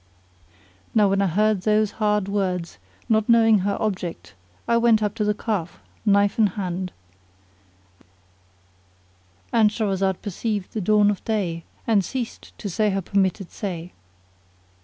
Now when I heard those hard words, not knowing her object I went up to the calf, knife in hand—And Shahrazad perceived the dawn of day and ceased to say her permitted say.